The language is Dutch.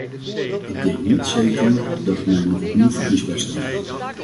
Ik denk niet, zei u toen, dat ik mij nog opnieuw verkiesbaar stel.